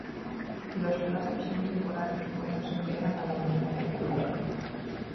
Los plastos son temporales pues no se integran a la maquinaria celular.